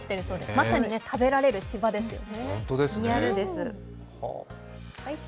まさに食べられる芝ですよね。